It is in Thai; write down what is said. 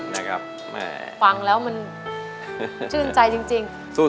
แม่ฟังแล้วมันชื่นใจจริง